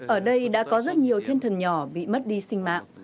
ở đây đã có rất nhiều thiên thần nhỏ bị mất đi sinh mạng